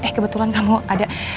eh kebetulan kamu ada